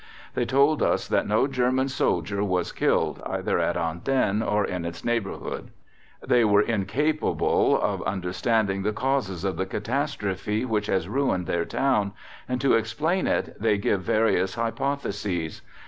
They told us that no German soldier was killed either at Andenne or in its neighbourhood. They are incapable of understanding the causes of the catastrophe which has ruined their town, and to explain it they give various hypotheses.